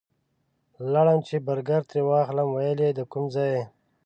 لاړم چې برګر ترې واخلم ویل یې د کوم ځای یې؟